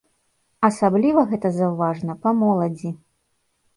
Асабліва гэта заўважна па моладзі.